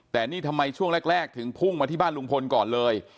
แต่นี่ทำไมช่วงแรกถึงพุ่งมาที่บ้านลุงพลก่อนเลย